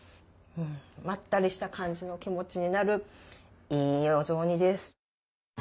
まったりした感じの気持ちになるいいお雑煮です。